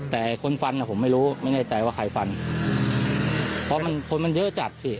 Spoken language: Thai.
แต่คนฟันอ่ะผมไม่รู้ไม่แน่ใจว่าใครฟันเพราะมันคนมันเยอะจัดสิ